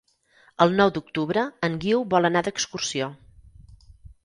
El nou d'octubre en Guiu vol anar d'excursió.